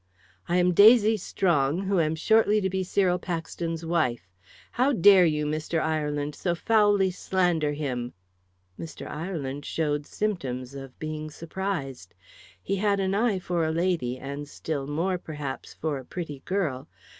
"I am Daisy Strong, who am shortly to be Cyril Paxton's wife. How dare you, Mr. Ireland, so foully slander him!" Mr. Ireland showed symptoms of being surprised. He had an eye for a lady, and still more, perhaps, for a pretty girl.